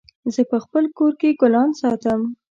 زه په خپل کور کي ګلان ساتم